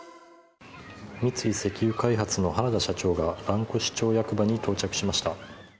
三井石油開発の原田社長が、蘭越町役場に到着しました。